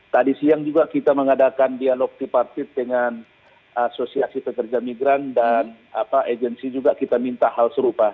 tadi siang juga kita mengadakan dialog tipartit dengan asosiasi pekerja migran dan agensi juga kita minta hal serupa